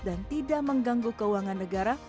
dan tidak mengganggu keuangan negara